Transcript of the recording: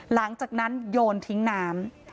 หลังจากนั้นโยนทิ้งน้ำ